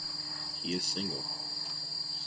He is single.